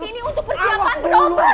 ini untuk pergiakan perobahan